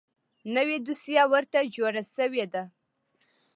نوې دوسیه ورته جوړه شوې ده .